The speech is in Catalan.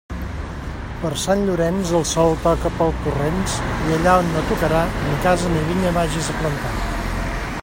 Per Sant Llorenç, el sol toca pels torrents, i allà on no tocarà, ni casa ni vinya vagis a plantar.